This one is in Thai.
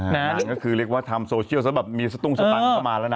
หรือก็คือเรียกว่าทำโซเชียลซะแบบมีสตุ้งสตังค์เข้ามาแล้วนะ